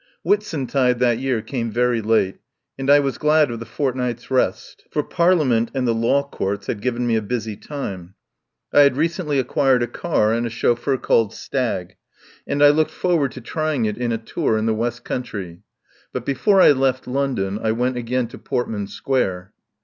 Whitsuntide that year came very late, and I was glad of the fortnight's rest, for Parlia ment and the Law Courts had given me a busy time. I had recently acquired a car and a chauffeur called Stagg, and I looked for 53 THE POWER HOUSE ward to trying it in a tour in the West coun try. But before I left London I went again to Portman Square.